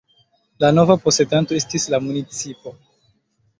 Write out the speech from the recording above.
La nova posedanto estis la municipo.